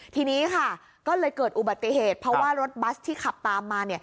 ทีนี้ค่ะก็เลยเกิดอุบัติเหตุเพราะว่ารถบัสที่ขับตามมา